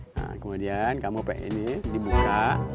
nah kemudian kamu pagi ini dibuka